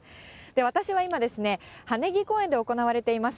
私は今、羽根木公園で行われています